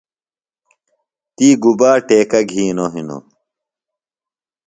تی گُبا ٹیکہ گِھینوۡ ہِنوۡ؟